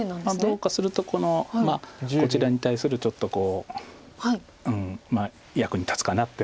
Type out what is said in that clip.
どうかするとこのこちらに対するちょっとこう役に立つかなって。